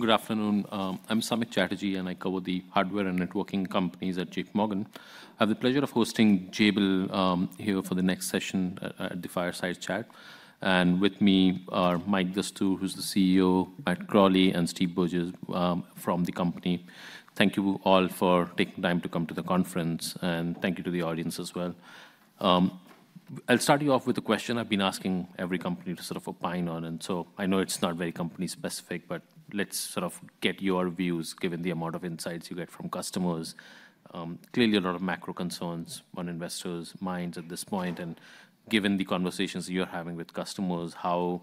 Good afternoon. I'm Samik Chatterjee, and I cover the hardware and networking companies at JPMorgan. I have the pleasure of hosting Jabil here for the next session at the Fireside Chat. With me are Mike Dastoor, who's the CEO, Matt Crowley, and Steve Borges from the company. Thank you all for taking time to come to the conference, and thank you to the audience as well. I'll start you off with a question I've been asking every company to sort of opine on, and I know it's not very company-specific, but let's sort of get your views given the amount of insights you get from customers. Clearly, a lot of macro concerns on investors' minds at this point. Given the conversations you're having with customers, how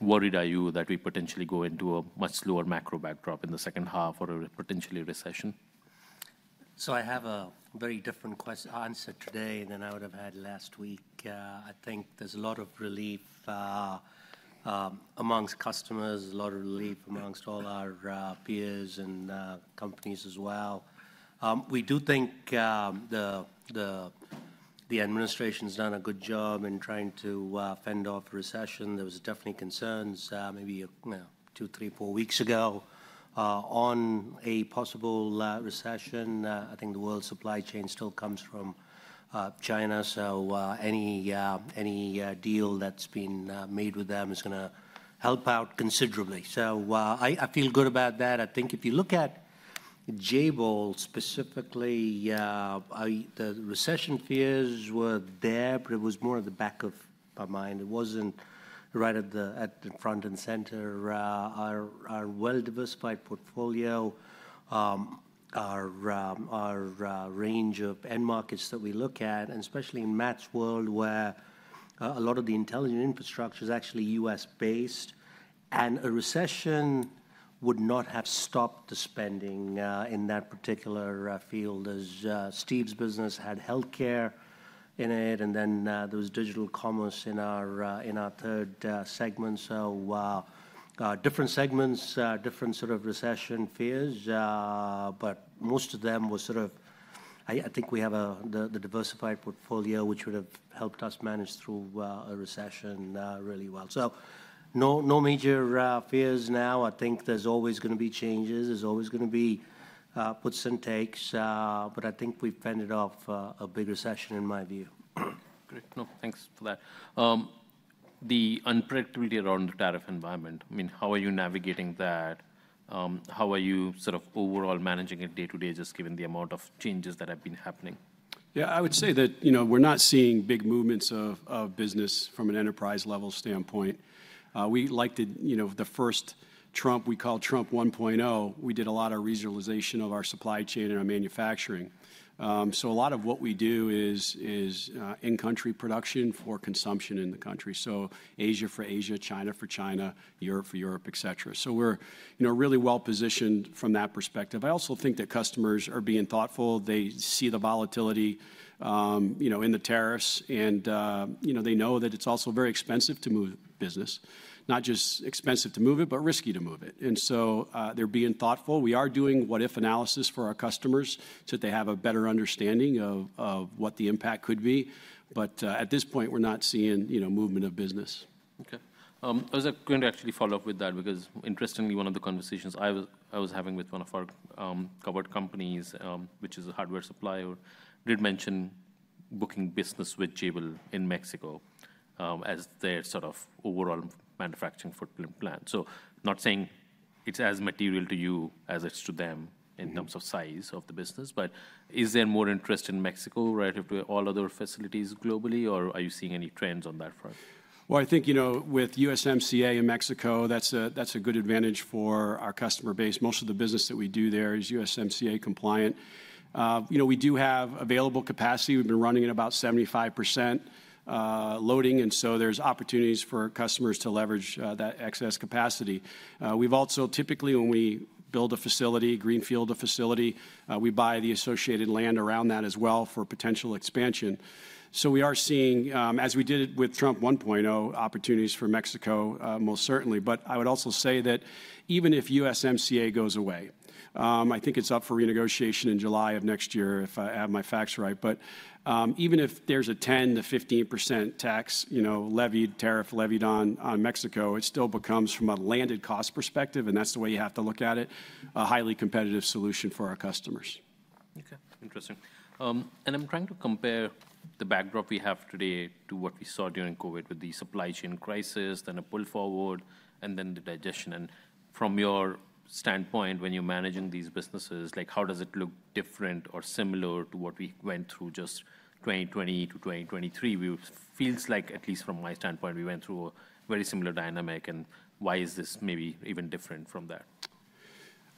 worried are you that we potentially go into a much slower macro backdrop in the second half or a potentially recession? I have a very different ques-answer today than I would have had last week. I think there's a lot of relief amongst customers, a lot of relief amongst all our peers and companies as well. We do think the administration's done a good job in trying to fend off a recession. There was definitely concerns, maybe, you know, two, three, four weeks ago, on a possible recession. I think the world supply chain still comes from China, so any deal that's been made with them is gonna help out considerably. I feel good about that. I think if you look at Jabil specifically, the recession fears were there, but it was more at the back of my mind. It wasn't right at the front and center. Our well-diversified portfolio, our range of end markets that we look at, and especially in Matt's world, where a lot of the intelligent infrastructure is actually U.S.-based, and a recession would not have stopped the spending in that particular field. Steve's business had healthcare in it, and then there was digital commerce in our third segment. Different segments, different sort of recession fears, but most of them were sort of, I think we have the diversified portfolio, which would have helped us manage through a recession really well. No major fears now. I think there's always going to be changes. There's always going to be puts and takes, but I think we've fended off a big recession in my view. Great. No, thanks for that. The unpredictability around the tariff environment, I mean, how are you navigating that? How are you sort of overall managing it day-to-day just given the amount of changes that have been happening? Yeah, I would say that, you know, we're not seeing big movements of business from an enterprise-level standpoint. We like to, you know, the first Trump, we called Trump 1.0, we did a lot of regionalization of our supply chain and our manufacturing. A lot of what we do is in-country production for consumption in the country. Asia for Asia, China for China, Europe for Europe, etc. We're really well-positioned from that perspective. I also think that customers are being thoughtful. They see the volatility, you know, in the tariffs, and, you know, they know that it's also very expensive to move business, not just expensive to move it, but risky to move it. They are being thoughtful. We are doing what-if analysis for our customers so that they have a better understanding of what the impact could be. At this point, we're not seeing, you know, movement of business. Okay. I was gonna actually follow up with that because, interestingly, one of the conversations I was having with one of our covered companies, which is a hardware supplier, did mention booking business with Jabil in Mexico, as their sort of overall manufacturing footprint plan. Not saying it's as material to you as it is to them in terms of size of the business, but is there more interest in Mexico relative to all other facilities globally, or are you seeing any trends on that front? I think, you know, with USMCA in Mexico, that's a good advantage for our customer base. Most of the business that we do there is USMCA compliant. You know, we do have available capacity. We've been running at about 75% loading, and so there's opportunities for customers to leverage that excess capacity. We've also typically, when we build a facility, greenfield a facility, we buy the associated land around that as well for potential expansion. We are seeing, as we did with Trump 1.0, opportunities for Mexico, most certainly. I would also say that even if USMCA goes away, I think it's up for renegotiation in July of next year if I have my facts right. Even if there's a 10-15% tax, you know, tariff levied on Mexico, it still becomes, from a landed cost perspective, and that's the way you have to look at it, a highly competitive solution for our customers. Okay. Interesting. I'm trying to compare the backdrop we have today to what we saw during COVID with the supply chain crisis, then a pull forward, and then the digestion. From your standpoint, when you're managing these businesses, how does it look different or similar to what we went through just 2020 to 2023? It feels like, at least from my standpoint, we went through a very similar dynamic. Why is this maybe even different from that?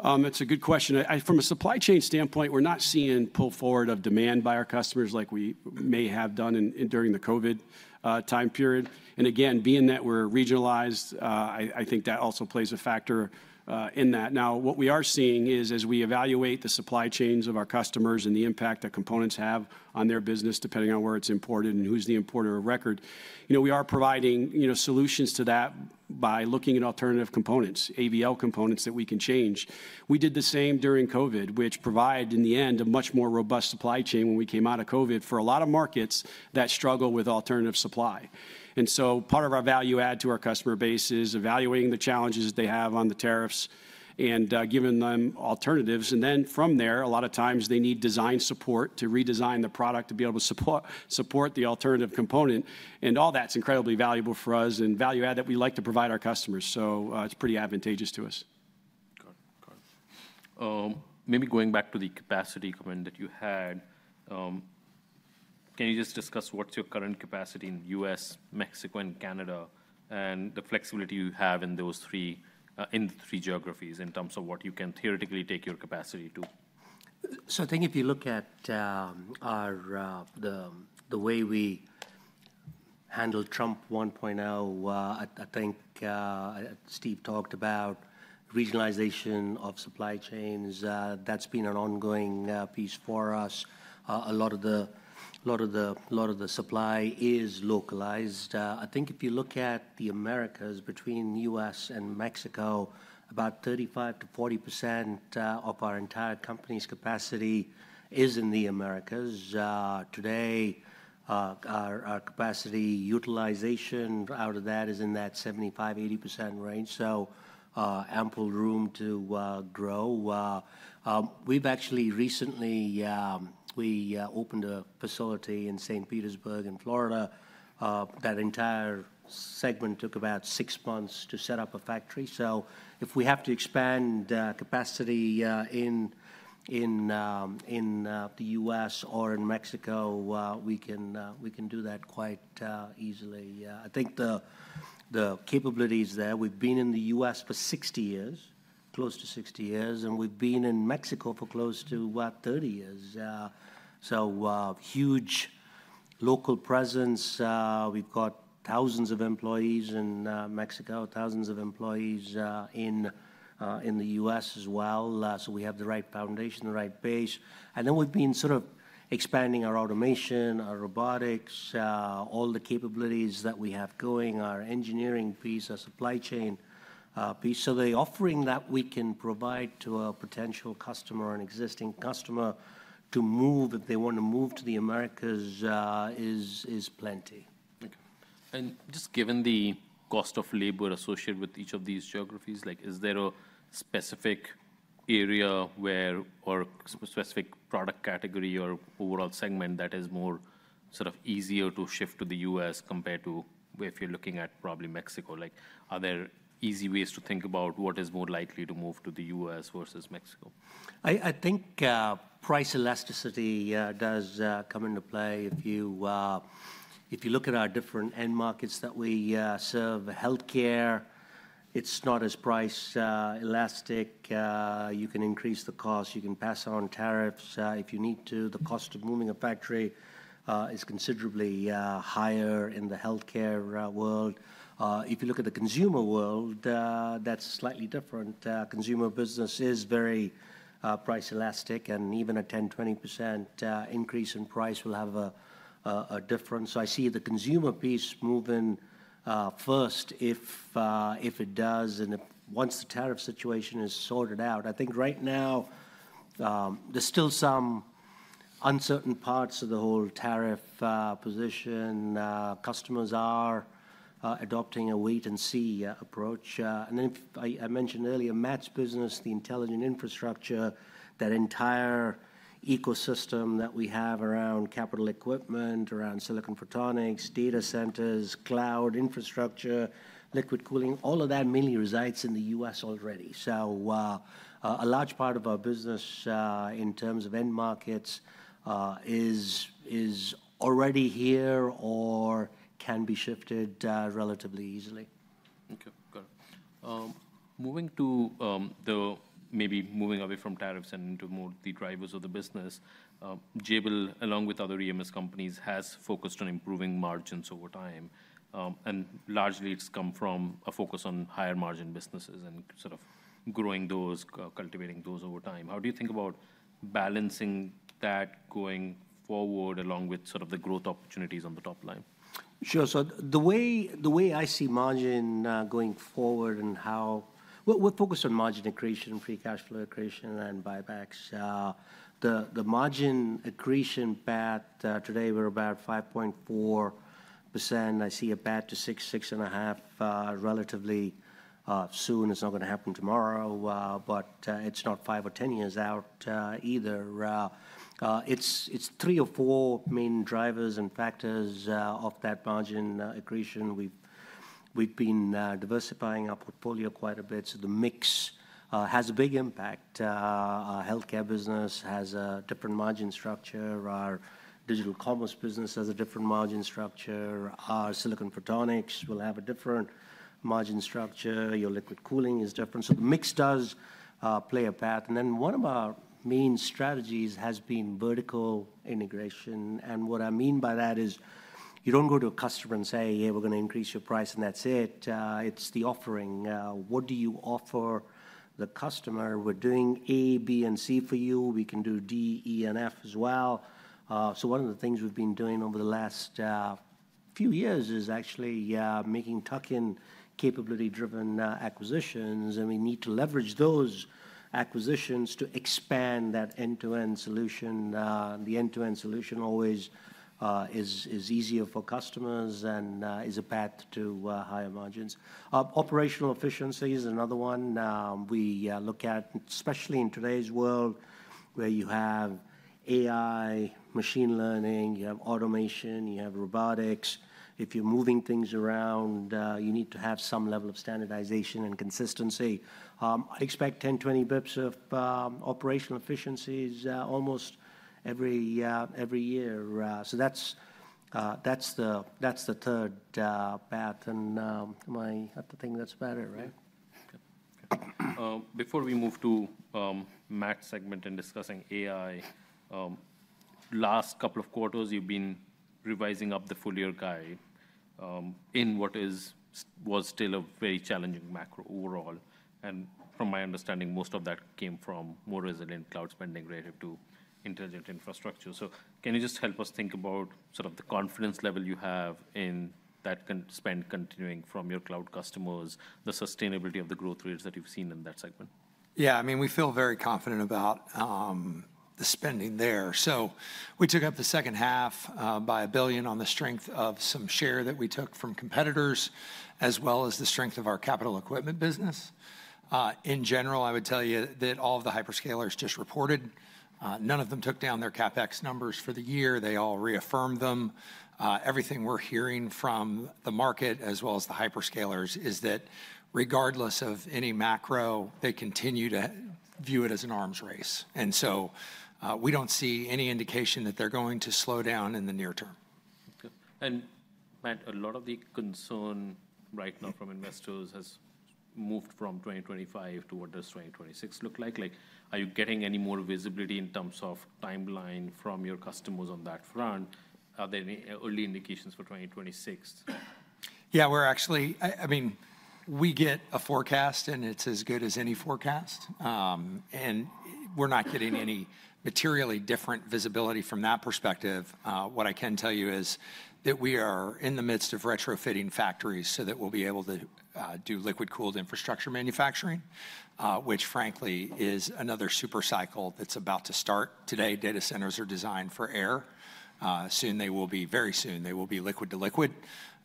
That's a good question. I, from a supply chain standpoint, we're not seeing pull forward of demand by our customers like we may have done during the COVID time period. Again, being that we're regionalized, I think that also plays a factor in that. Now, what we are seeing is, as we evaluate the supply chains of our customers and the impact that components have on their business depending on where it's imported and who's the importer of record, you know, we are providing, you know, solutions to that by looking at alternative components, AVL components that we can change. We did the same during COVID, which provided, in the end, a much more robust supply chain when we came out of COVID for a lot of markets that struggle with alternative supply. Part of our value add to our customer base is evaluating the challenges they have on the tariffs and giving them alternatives. From there, a lot of times they need design support to redesign the product to be able to support the alternative component. All that's incredibly valuable for us and value add that we like to provide our customers. It's pretty advantageous to us. Got it. Got it. Maybe going back to the capacity comment that you had, can you just discuss what's your current capacity in the U.S., Mexico, and Canada, and the flexibility you have in those three, in the three geographies in terms of what you can theoretically take your capacity to? I think if you look at the way we handle Trump 1.0, I think Steve talked about regionalization of supply chains. That's been an ongoing piece for us. A lot of the supply is localized. I think if you look at the Americas, between U.S. and Mexico, about 35-40% of our entire company's capacity is in the Americas. Today, our capacity utilization out of that is in that 75-80% range. So, ample room to grow. We've actually recently opened a facility in St. Petersburg in Florida. That entire segment took about six months to set up a factory. If we have to expand capacity in the U.S. or in Mexico, we can do that quite easily. I think the capabilities there, we've been in the U.S. for 60 years, close to 60 years, and we've been in Mexico for close to, what, 30 years. Huge local presence. We've got thousands of employees in Mexico, thousands of employees in the U.S. as well. We have the right foundation, the right base. Then we've been sort of expanding our automation, our robotics, all the capabilities that we have going, our engineering piece, our supply chain piece. The offering that we can provide to a potential customer and existing customer to move if they want to move to the Americas is plenty. Okay. Just given the cost of labor associated with each of these geographies, like, is there a specific area where or specific product category or overall segment that is more sort of easier to shift to the U.S. compared to if you're looking at probably Mexico? Like, are there easy ways to think about what is more likely to move to the U.S. versus Mexico? I think price elasticity does come into play if you look at our different end markets that we serve. Healthcare, it's not as price elastic. You can increase the cost. You can pass on tariffs if you need to. The cost of moving a factory is considerably higher in the healthcare world. If you look at the consumer world, that's slightly different. Consumer business is very price elastic, and even a 10-20% increase in price will have a difference. I see the consumer piece moving first if it does and if once the tariff situation is sorted out. I think right now, there's still some uncertain parts of the whole tariff position. Customers are adopting a wait-and-see approach. If I mentioned earlier Matt's business, the intelligent infrastructure, that entire ecosystem that we have around capital equipment, around silicon photonics, data centers, cloud infrastructure, liquid cooling, all of that mainly resides in the U.S. already. A large part of our business, in terms of end markets, is already here or can be shifted relatively easily. Okay. Got it. Moving to maybe moving away from tariffs and into more the drivers of the business, Jabil, along with other EMS companies, has focused on improving margins over time, and largely it's come from a focus on higher margin businesses and sort of growing those, cultivating those over time. How do you think about balancing that going forward along with sort of the growth opportunities on the top line? Sure. The way I see margin going forward and how we're focused on margin accretion, free cash flow accretion, and buybacks, the margin accretion path, today we're about 5.4%. I see a path to 6-6.5% relatively soon. It's not gonna happen tomorrow, but it's not five or ten years out, either. It's three or four main drivers and factors of that margin accretion. We've been diversifying our portfolio quite a bit, so the mix has a big impact. Our healthcare business has a different margin structure. Our digital commerce business has a different margin structure. Our silicon photonics will have a different margin structure. Your liquid cooling is different. The mix does play a path. One of our main strategies has been vertical integration. What I mean by that is you do not go to a customer and say, "Hey, we're gonna increase your price," and that's it. It is the offering. What do you offer the customer? We're doing A, B, and C for you. We can do D, E, and F as well. One of the things we've been doing over the last few years is actually making tucking capability-driven acquisitions. We need to leverage those acquisitions to expand that end-to-end solution. The end-to-end solution always is easier for customers and is a path to higher margins. Operational efficiency is another one. We look at, especially in today's world where you have AI, machine learning, you have automation, you have robotics. If you're moving things around, you need to have some level of standardization and consistency. I expect 10-20 basis points of operational efficiencies almost every year. That's the third path. I have to think that's better, right? Okay. Okay. Before we move to Matt's segment and discussing AI, last couple of quarters you've been revising up the full year guide, in what is was still a very challenging macro overall. From my understanding, most of that came from more resilient cloud spending relative to intelligent infrastructure. Can you just help us think about sort of the confidence level you have in that cloud spend continuing from your cloud customers, the sustainability of the growth rates that you've seen in that segment? Yeah. I mean, we feel very confident about the spending there. We took up the second half by $1 billion on the strength of some share that we took from competitors as well as the strength of our capital equipment business. In general, I would tell you that all of the hyperscalers just reported. None of them took down their CapEx numbers for the year. They all reaffirmed them. Everything we're hearing from the market as well as the hyperscalers is that regardless of any macro, they continue to view it as an arms race. We do not see any indication that they are going to slow down in the near term. Okay. Matt, a lot of the concern right now from investors has moved from 2025 to what does 2026 look like? Like, are you getting any more visibility in terms of timeline from your customers on that front? Are there any early indications for 2026? Yeah. We're actually, I mean, we get a forecast and it's as good as any forecast, and we're not getting any materially different visibility from that perspective. What I can tell you is that we are in the midst of retrofitting factories so that we'll be able to do liquid-cooled infrastructure manufacturing, which frankly is another supercycle that's about to start. Today, data centers are designed for air. Soon they will be, very soon they will be liquid to liquid.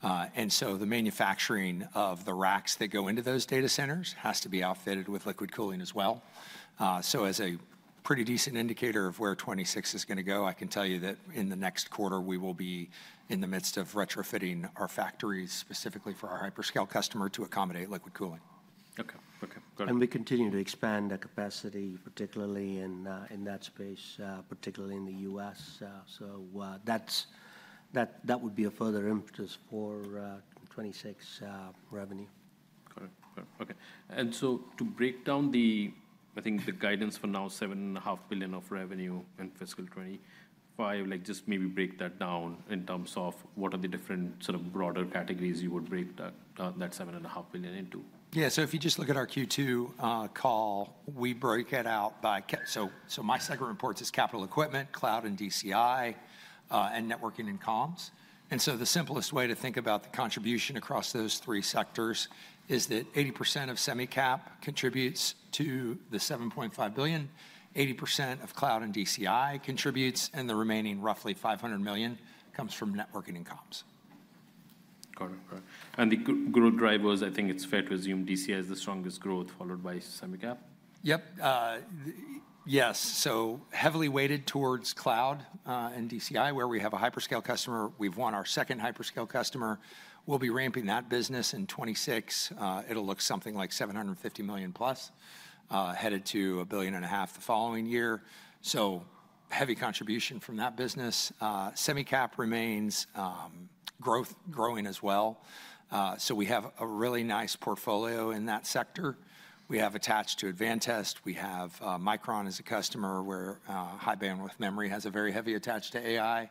And so the manufacturing of the racks that go into those data centers has to be outfitted with liquid cooling as well. As a pretty decent indicator of where 2026 is gonna go, I can tell you that in the next quarter we will be in the midst of retrofitting our factories specifically for our hyperscale customer to accommodate liquid cooling. Okay. Okay. Got it. We continue to expand the capacity, particularly in that space, particularly in the U.S., so that would be a further impetus for 2026 revenue. Got it. Got it. Okay. To break down the, I think the guidance for now, $7.5 billion of revenue in fiscal 2025, like, just maybe break that down in terms of what are the different sort of broader categories you would break that, that $7.5 billion into? Yeah. If you just look at our Q2 call, we break it out by, so my segment reports is capital equipment, cloud, and DCI, and networking and comms. The simplest way to think about the contribution across those three sectors is that 80% of semi-cap contributes to the $7.5 billion, 80% of cloud and DCI contributes, and the remaining roughly $500 million comes from networking and comms. Got it. Got it. The growth drivers, I think it's fair to assume DCI is the strongest growth followed by semi-cap? Yep. Yes. Heavily weighted towards cloud, and DCI where we have a hyperscale customer. We've won our second hyperscale customer. We'll be ramping that business in 2026. It'll look something like $750 million plus, headed to $1.5 billion the following year. Heavy contribution from that business. Semi-cap remains, growth growing as well. We have a really nice portfolio in that sector. We have attached to Advantest. We have Micron as a customer where high bandwidth memory has a very heavy attached to AI.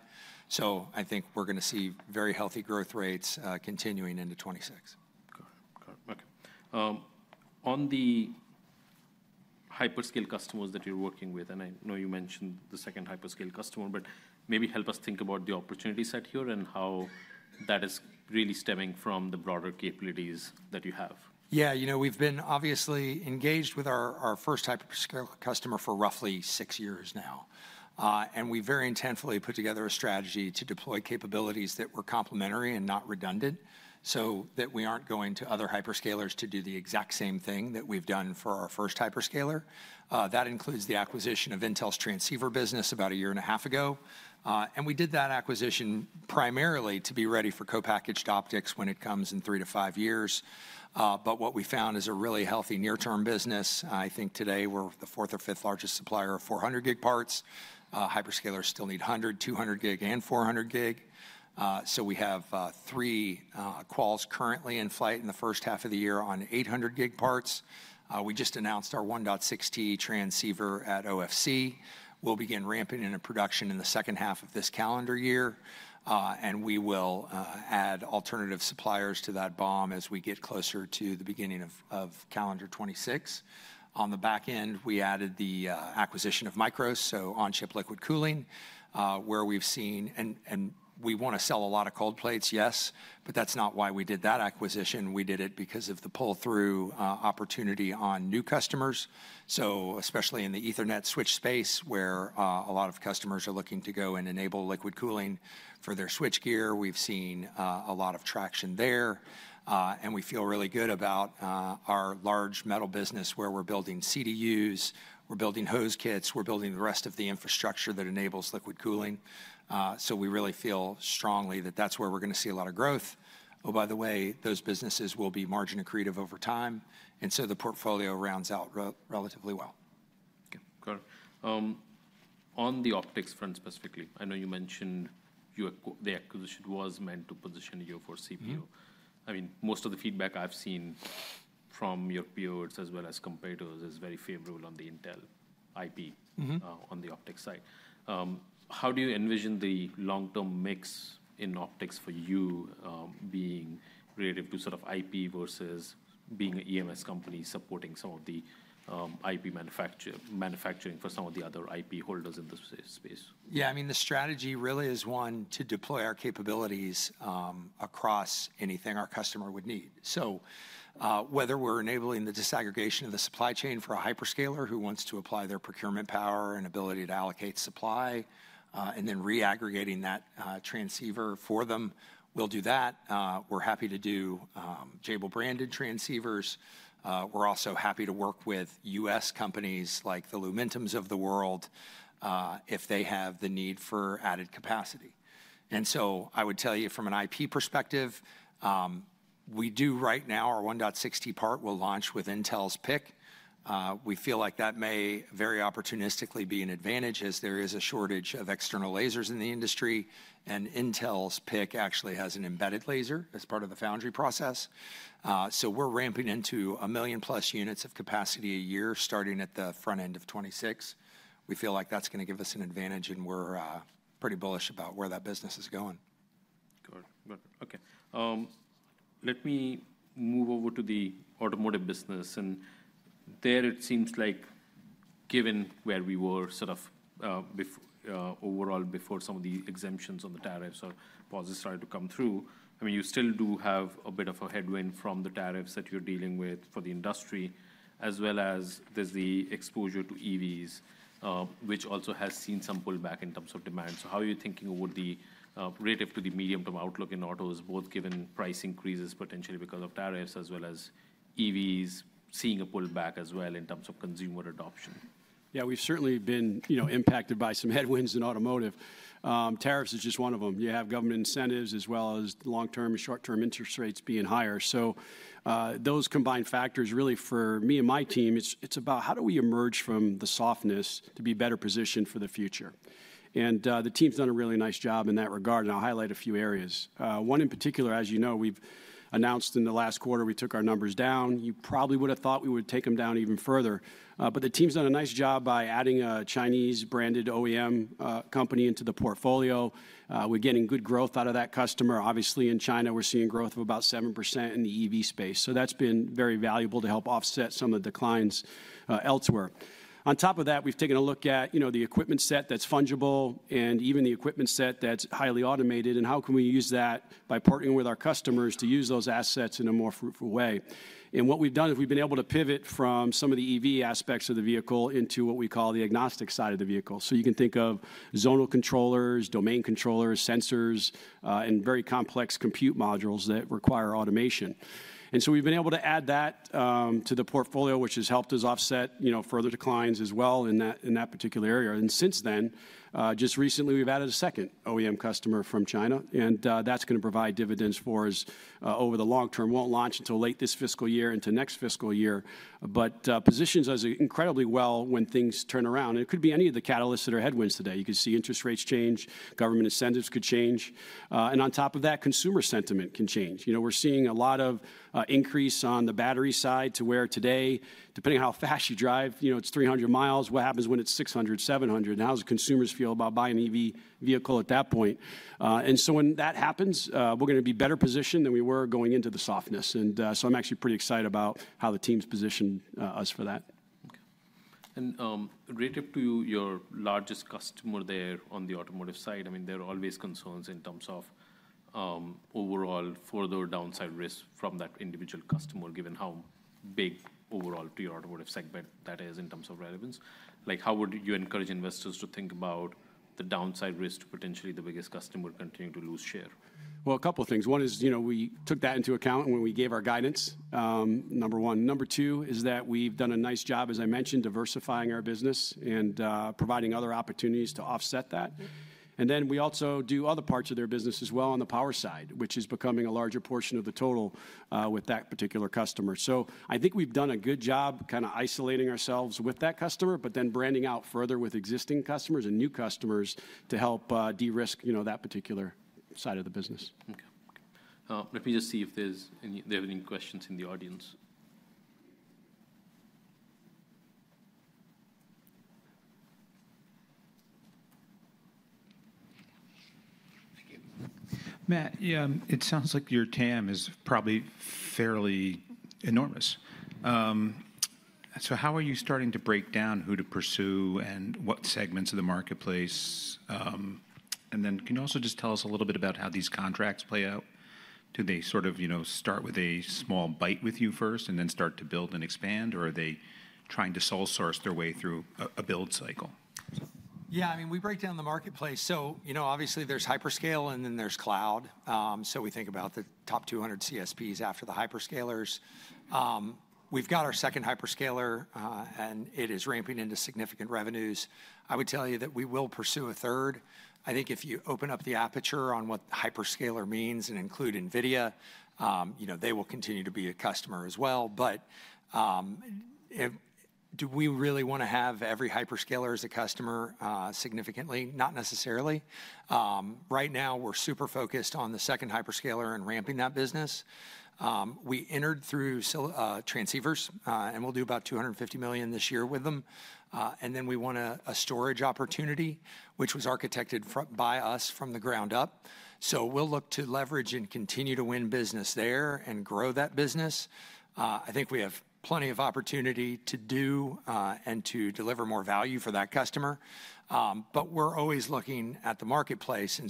I think we're gonna see very healthy growth rates, continuing into 2026. Got it. Got it. Okay. On the hyperscale customers that you're working with, and I know you mentioned the second hyperscale customer, but maybe help us think about the opportunity set here and how that is really stemming from the broader capabilities that you have. Yeah. You know, we've been obviously engaged with our first hyperscale customer for roughly six years now. And we very intentfully put together a strategy to deploy capabilities that were complementary and not redundant so that we aren't going to other hyperscalers to do the exact same thing that we've done for our first hyperscaler. That includes the acquisition of Intel's transceiver business about a year and a half ago. And we did that acquisition primarily to be ready for co-packaged optics when it comes in three to five years. But what we found is a really healthy near-term business. I think today we're the fourth or fifth largest supplier of 400 gig parts. Hyperscalers still need 100, 200 gig, and 400 gig. So we have three quals currently in flight in the first half of the year on 800 gig parts. We just announced our 1.6T transceiver at OFC. We'll begin ramping into production in the second half of this calendar year, and we will add alternative suppliers to that BOM as we get closer to the beginning of calendar 2026. On the back end, we added the acquisition of Mikros, so on-chip liquid cooling, where we've seen, and we want to sell a lot of cold plates, yes, but that's not why we did that acquisition. We did it because of the pull-through opportunity on new customers. Especially in the Ethernet switch space where a lot of customers are looking to go and enable liquid cooling for their switch gear, we've seen a lot of traction there, and we feel really good about our large metal business where we're building CDUs, we're building hose kits, we're building the rest of the infrastructure that enables liquid cooling. We really feel strongly that that's where we're gonna see a lot of growth. Oh, by the way, those businesses will be margin accretive over time. The portfolio rounds out relatively well. Okay. Got it. On the optics front specifically, I know you mentioned you acquired—the acquisition was meant to position you for CPO. I mean, most of the feedback I've seen from your peers as well as competitors is very favorable on the Intel IP, on the optics side. How do you envision the long-term mix in optics for you, being relative to sort of IP versus being an EMS company supporting some of the IP manufacturing for some of the other IP holders in this space? Yeah. I mean, the strategy really is one to deploy our capabilities across anything our customer would need. So, whether we're enabling the disaggregation of the supply chain for a hyperscaler who wants to apply their procurement power and ability to allocate supply, and then re-aggregating that transceiver for them, we'll do that. We're happy to do Jabil branded transceivers. We're also happy to work with U.S. companies like the Lumentum of the world, if they have the need for added capacity. I would tell you from an IP perspective, we do right now, our 1.6T part will launch with Intel's PIC. We feel like that may very opportunistically be an advantage as there is a shortage of external lasers in the industry. Intel's PIC actually has an embedded laser as part of the foundry process. We're ramping into a million plus units of capacity a year starting at the front end of 2026. We feel like that's gonna give us an advantage, and we're pretty bullish about where that business is going. Got it. Got it. Okay. Let me move over to the automotive business. There it seems like given where we were sort of, before, overall before some of the exemptions on the tariffs or pauses started to come through, I mean, you still do have a bit of a headwind from the tariffs that you're dealing with for the industry as well as there's the exposure to EVs, which also has seen some pullback in terms of demand. How are you thinking over the, relative to the medium-term outlook in autos, both given price increases potentially because of tariffs as well as EVs seeing a pullback as well in terms of consumer adoption? Yeah. We've certainly been, you know, impacted by some headwinds in automotive. Tariffs is just one of them. You have government incentives as well as long-term and short-term interest rates being higher. Those combined factors really for me and my team, it's, it's about how do we emerge from the softness to be better positioned for the future. The team's done a really nice job in that regard. I'll highlight a few areas. One in particular, as you know, we've announced in the last quarter we took our numbers down. You probably would've thought we would take 'em down even further. The team's done a nice job by adding a Chinese branded OEM company into the portfolio. We're getting good growth out of that customer. Obviously, in China, we're seeing growth of about 7% in the EV space. That has been very valuable to help offset some of the declines elsewhere. On top of that, we've taken a look at, you know, the equipment set that's fungible and even the equipment set that's highly automated and how can we use that by partnering with our customers to use those assets in a more fruitful way. What we've done is we've been able to pivot from some of the EV aspects of the vehicle into what we call the agnostic side of the vehicle. You can think of zonal controllers, domain controllers, sensors, and very complex compute modules that require automation. We've been able to add that to the portfolio, which has helped us offset, you know, further declines as well in that particular area. Since then, just recently we've added a second OEM customer from China. That is gonna provide dividends for us over the long term. It will not launch until late this fiscal year into next fiscal year, but positions us incredibly well when things turn around. It could be any of the catalysts that are headwinds today. You could see interest rates change, government incentives could change, and on top of that, consumer sentiment can change. You know, we are seeing a lot of increase on the battery side to where today, depending on how fast you drive, you know, it is 300 miles. What happens when it is 600-700? And how do consumers feel about buying an EV at that point? When that happens, we are gonna be better positioned than we were going into the softness. I am actually pretty excited about how the team has positioned us for that. Okay. Relative to your largest customer there on the automotive side, I mean, there are always concerns in terms of overall further downside risk from that individual customer given how big overall to your automotive segment that is in terms of relevance. Like, how would you encourage investors to think about the downside risk to potentially the biggest customer continuing to lose share? A couple of things. One is, you know, we took that into account when we gave our guidance, number one. Number two is that we've done a nice job, as I mentioned, diversifying our business and providing other opportunities to offset that. We also do other parts of their business as well on the power side, which is becoming a larger portion of the total, with that particular customer. I think we've done a good job kinda isolating ourselves with that customer, but then branching out further with existing customers and new customers to help de-risk, you know, that particular side of the business. Okay. Let me just see if there are any questions in the audience. Thank you. Matt, it sounds like your TAM is probably fairly enormous. So how are you starting to break down who to pursue and what segments of the marketplace? And then can you also just tell us a little bit about how these contracts play out? Do they sort of, you know, start with a small bite with you first and then start to build and expand, or are they trying to sole source their way through a, a build cycle? Yeah. I mean, we break down the marketplace. So, you know, obviously there's hyperscale and then there's cloud. So we think about the top 200 CSPs after the hyperscalers. We've got our second hyperscaler, and it is ramping into significant revenues. I would tell you that we will pursue a third. I think if you open up the aperture on what hyperscaler means and include NVIDIA, you know, they will continue to be a customer as well. But, do we really wanna have every hyperscaler as a customer, significantly? Not necessarily. Right now we're super focused on the second hyperscaler and ramping that business. We entered through silicon photonics transceivers, and we'll do about $250 million this year with them. And then we won a storage opportunity, which was architected by us from the ground up. We'll look to leverage and continue to win business there and grow that business. I think we have plenty of opportunity to do, and to deliver more value for that customer. We're always looking at the marketplace.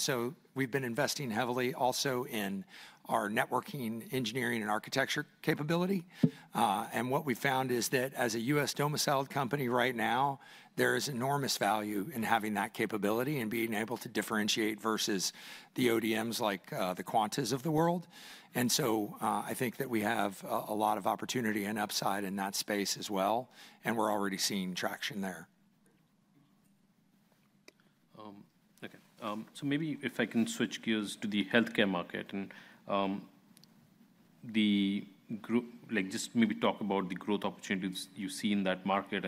We've been investing heavily also in our networking, engineering, and architecture capability. What we found is that as a U.S. domiciled company right now, there is enormous value in having that capability and being able to differentiate versus the ODMs like the Quantas of the world. I think that we have a lot of opportunity and upside in that space as well. We're already seeing traction there. Okay. Maybe if I can switch gears to the healthcare market and, the grow, like, just maybe talk about the growth opportunities you see in that market.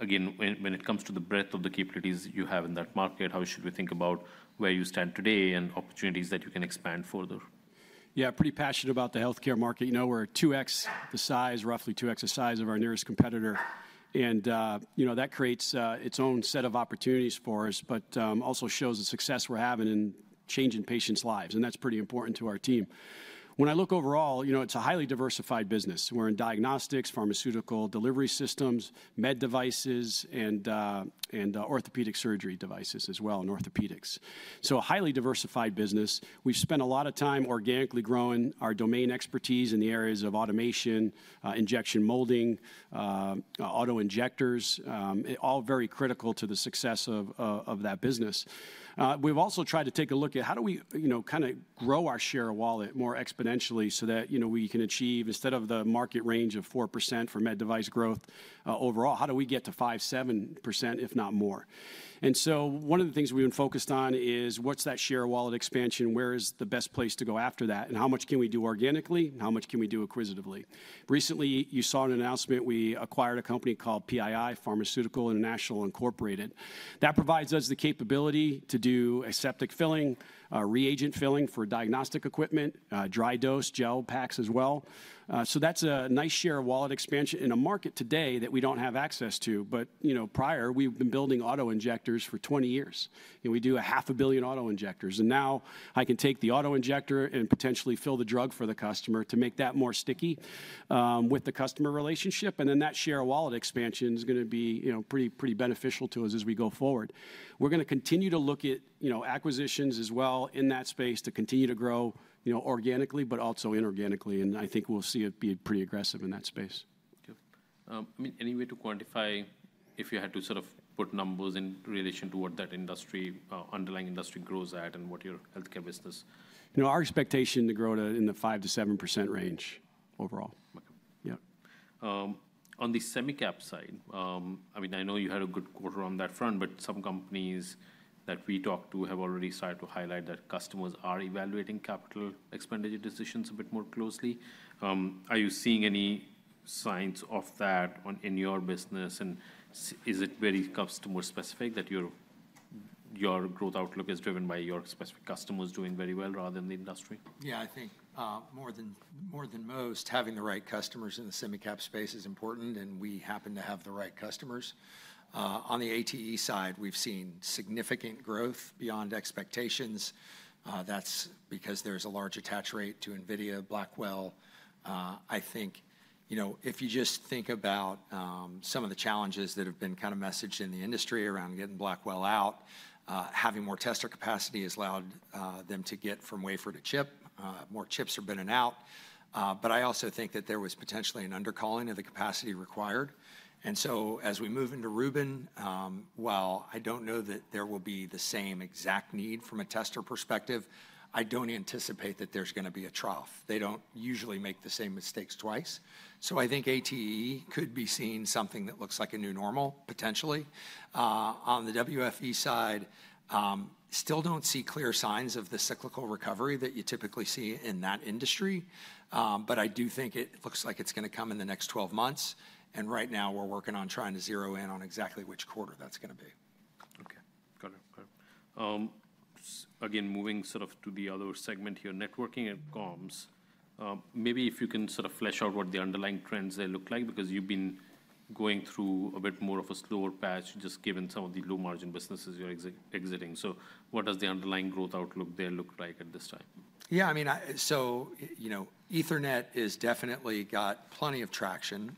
Again, when it comes to the breadth of the capabilities you have in that market, how should we think about where you stand today and opportunities that you can expand further? Yeah. Pretty passionate about the healthcare market. You know, we're two times the size, roughly two times the size of our nearest competitor. You know, that creates its own set of opportunities for us, but also shows the success we're having in changing patients' lives. That's pretty important to our team. When I look overall, you know, it's a highly diversified business. We're in diagnostics, pharmaceutical delivery systems, med devices, and orthopedic surgery devices as well in orthopedics. A highly diversified business. We've spent a lot of time organically growing our domain expertise in the areas of automation, injection molding, auto injectors, all very critical to the success of that business. we've also tried to take a look at how do we, you know, kinda grow our share of wallet more exponentially so that, you know, we can achieve, instead of the market range of 4% for med device growth, overall, how do we get to 5-7%, if not more? One of the things we've been focused on is what's that share of wallet expansion? Where is the best place to go after that? How much can we do organically? How much can we do acquisitively? Recently, you saw an announcement. We acquired a company called PII Pharmaceutical International Incorporated. That provides us the capability to do aseptic filling, reagent filling for diagnostic equipment, dry dose gel packs as well. that's a nice share of wallet expansion in a market today that we don't have access to. You know, prior we've been building auto injectors for 20 years. You know, we do half a billion auto injectors. Now I can take the auto injector and potentially fill the drug for the customer to make that more sticky, with the customer relationship. That share of wallet expansion is gonna be pretty, pretty beneficial to us as we go forward. We're gonna continue to look at, you know, acquisitions as well in that space to continue to grow, you know, organically, but also inorganically. I think we'll see it be pretty aggressive in that space. Okay. I mean, any way to quantify if you had to sort of put numbers in relation to what that industry, underlying industry grows at and what your healthcare business? You know, our expectation to grow to in the 5-7% range overall. Okay. Yeah. On the semi-cap side, I mean, I know you had a good quarter on that front, but some companies that we talked to have already started to highlight that customers are evaluating capital expenditure decisions a bit more closely. Are you seeing any signs of that in your business? Is it very customer specific that your growth outlook is driven by your specific customers doing very well rather than the industry? Yeah. I think, more than most, having the right customers in the semi-cap space is important. And we happen to have the right customers. On the ATE side, we've seen significant growth beyond expectations. That's because there's a large attach rate to NVIDIA, Blackwell. I think, you know, if you just think about some of the challenges that have been kinda messaged in the industry around getting Blackwell out, having more tester capacity has allowed them to get from wafer to chip. More chips are bidding out. I also think that there was potentially an undercalling of the capacity required. As we move into Rubin, while I don't know that there will be the same exact need from a tester perspective, I don't anticipate that there's gonna be a trough. They don't usually make the same mistakes twice. I think ATE could be seeing something that looks like a new normal potentially. On the WFE side, still do not see clear signs of the cyclical recovery that you typically see in that industry. I do think it looks like it is going to come in the next 12 months. Right now we are working on trying to zero in on exactly which quarter that is going to be. Okay. Got it. Again, moving sort of to the other segment here, networking and comms, maybe if you can sort of flesh out what the underlying trends look like because you've been going through a bit more of a slower patch just given some of the low margin businesses you're exiting. What does the underlying growth outlook there look like at this time? Yeah. I mean, I, so, you know, Ethernet has definitely got plenty of traction.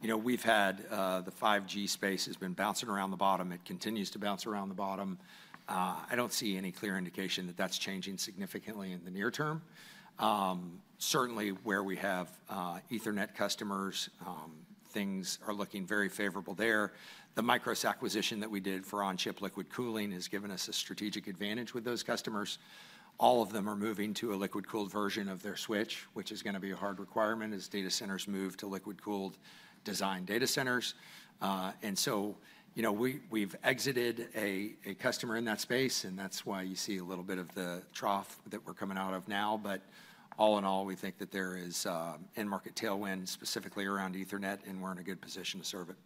You know, we've had the 5G space has been bouncing around the bottom. It continues to bounce around the bottom. I don't see any clear indication that that's changing significantly in the near term. Certainly where we have Ethernet customers, things are looking very favorable there. The Mikros acquisition that we did for on-chip liquid cooling has given us a strategic advantage with those customers. All of them are moving to a liquid-cooled version of their switch, which is gonna be a hard requirement as data centers move to liquid-cooled design data centers. And so, you know, we've exited a customer in that space. That's why you see a little bit of the trough that we're coming out of now. All in all, we think that there is end market tailwind specifically around Ethernet, and we're in a good position to serve it.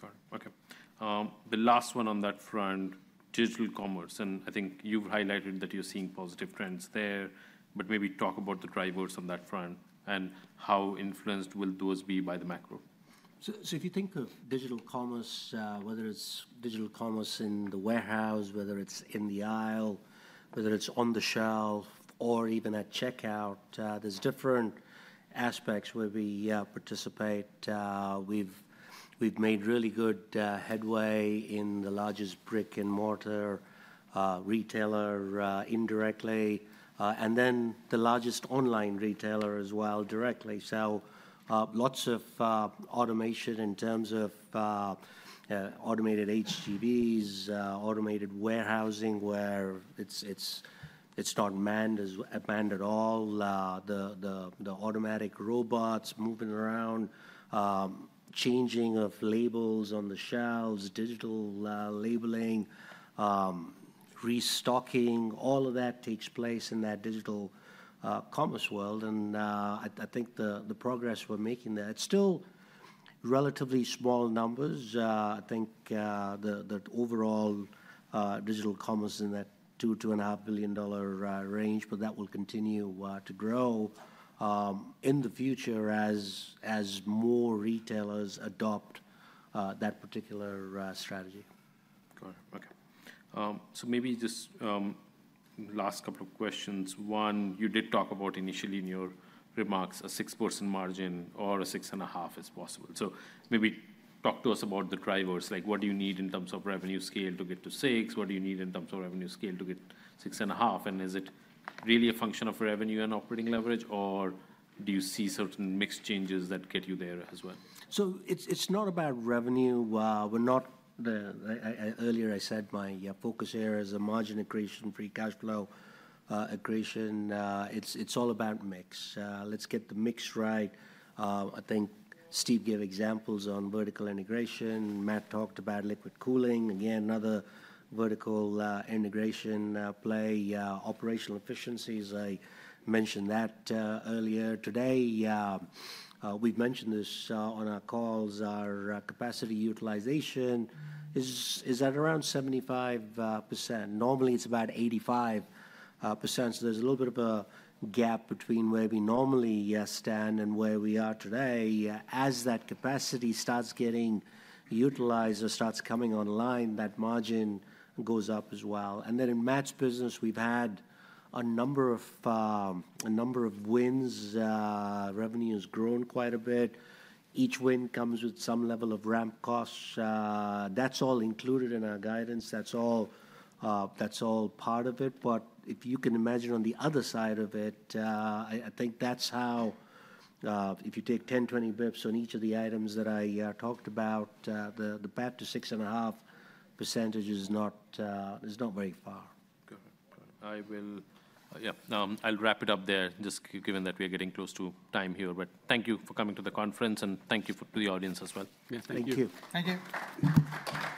Got it. Okay. The last one on that front, digital commerce. I think you've highlighted that you're seeing positive trends there, but maybe talk about the drivers on that front and how influenced will those be by the macro? If you think of digital commerce, whether it's digital commerce in the warehouse, whether it's in the aisle, whether it's on the shelf, or even at checkout, there's different aspects where we participate. We've made really good headway in the largest brick and mortar retailer, indirectly, and then the largest online retailer as well directly. Lots of automation in terms of automated HTVs, automated warehousing where it's not manned at all. The automatic robots moving around, changing of labels on the shelves, digital labeling, restocking, all of that takes place in that digital commerce world. I think the progress we're making there, it's still relatively small numbers. I think the overall digital commerce in that $2 billion-$2.5 billion range, but that will continue to grow in the future as more retailers adopt that particular strategy. Got it. Okay. So maybe just, last couple of questions. One, you did talk about initially in your remarks a 6% margin or a 6.5% is possible. So maybe talk to us about the drivers. Like, what do you need in terms of revenue scale to get to 6%? What do you need in terms of revenue scale to get 6.5%? And is it really a function of revenue and operating leverage, or do you see certain mixed changes that get you there as well? It is not about revenue. We are not the, I earlier said my focus area is margin accretion, free cash flow accretion. It is all about mix. Let us get the mix right. I think Steve gave examples on vertical integration. Matt talked about liquid cooling. Again, another vertical integration play. Operational efficiencies, I mentioned that earlier today. We have mentioned this on our calls. Our capacity utilization is at around 75%. Normally it is about 85%. So there is a little bit of a gap between where we normally stand and where we are today. As that capacity starts getting utilized or starts coming online, that margin goes up as well. In Matt's business, we have had a number of wins. Revenue has grown quite a bit. Each win comes with some level of ramp costs. That is all included in our guidance. That's all, that's all part of it. If you can imagine on the other side of it, I think that's how, if you take 10, 20 basis points on each of the items that I talked about, the path to 6.5% is not very far. Got it. Got it. I will, yeah. I'll wrap it up there just given that we are getting close to time here. Thank you for coming to the conference and thank you to the audience as well. Yeah. Thank you. Thank you.